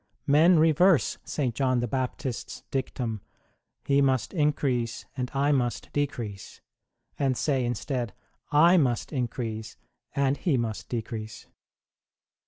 Men reverse St. John the Baptist s dictum, He must increase, and I must decrease, and say instead, I must in crease, and He must decrease.